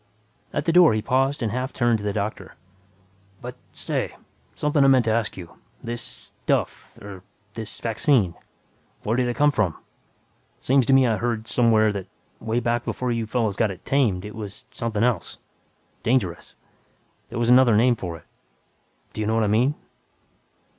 At the door he paused and half turned to the doctor, "But say ... something I meant to ask you. This 'stuff' ... er, this vaccine ... where did it come from? Seems to me I heard somewhere that, way back before you fellows got it 'tamed' it was something else dangerous. There was another name for it. Do you know what I mean?"